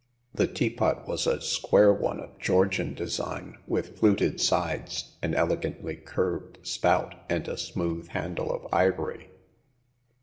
The teapot was a square one of Georgian de sign, with fluted sides, an elegantly curved spout, and a smooth handle of ivory.